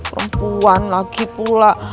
perempuan lagi pula